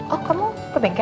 oh kamu ke bengkel